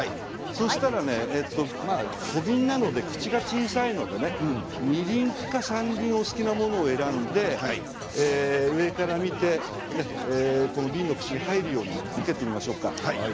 小瓶で口が小さいので２輪か３輪お好きなものを選んで上から見て瓶の口に入るように生けてみましょうか。